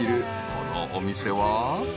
このお店は］